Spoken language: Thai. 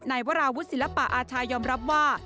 นายวราวุศิลปะอาชายยอมรับว่า